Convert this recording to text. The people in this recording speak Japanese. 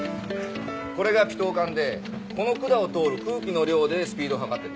これがピトー管でこの管を通る空気の量でスピードを測ってんです。